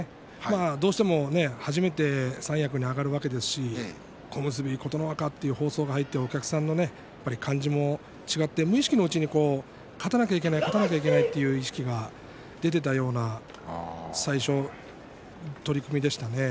どうしても初めて三役に上がるわけですし小結琴ノ若と放送が入ってお客さんの感じも違って無意識のうちに勝たなきゃいけないという意識が出ていたような最初の取組でしたね。